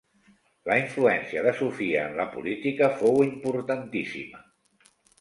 La influència de Sofia en la política fou importantíssima.